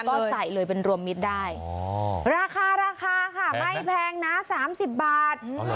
ก็ใส่เลยเป็นรวมมิตรได้ราคาราคาค่ะไม่แพงนะ๓๐บาท